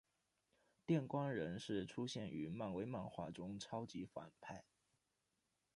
电光人是出现于漫威漫画中超级反派。